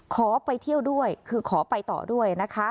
ขอไปเที่ยวด้วยคือขอไปต่อด้วยนะคะ